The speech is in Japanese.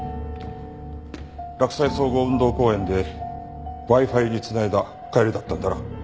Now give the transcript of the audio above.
洛西総合運動公園でＷｉ−Ｆｉに繋いだ帰りだったんだな。